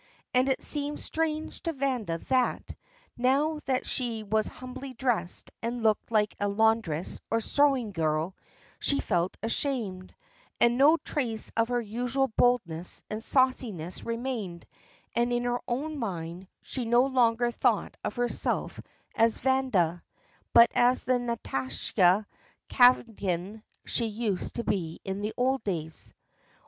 And it seemed strange to Vanda that, now that she was humbly dressed and looked like a laundress or sewing girl, she felt ashamed, and no trace of her usual boldness and sauciness remained, and in her own mind she no longer thought of herself as Vanda, but as the Nastasya Kanavkin she used to be in the old days.